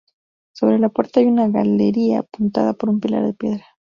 Sobre de la puerta hay una galería apuntada por un pilar de piedra.